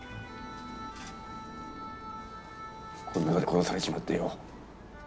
こんな姿で殺されちまってよ。